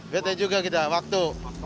bete juga kita waktu